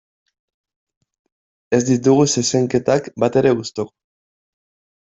Ez ditugu zezenketak batere gustuko.